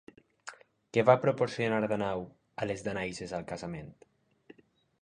Què va proporcionar Dànau a les danaides al casament?